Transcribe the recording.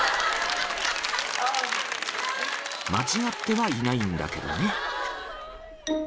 ［間違ってはいないんだけどね］